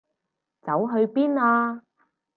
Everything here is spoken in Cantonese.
走去邊啊？